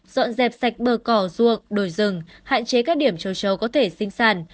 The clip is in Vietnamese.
dọn dẹp sạch bờ cỏ ruộng đồi rừng hạn chế các điểm châu trâu có thể sinh sản